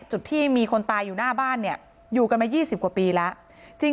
ที่มีคนตายอยู่หน้าบ้านเนี่ยอยู่กันมา๒๐กว่าปีแล้ว